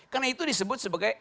karena itu disebut sebagai